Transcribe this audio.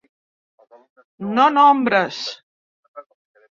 No nombres.